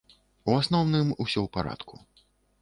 У асноўным усё ў парадку.